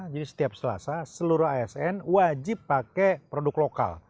jadi setiap selasa seluruh asn wajib pake produk lokal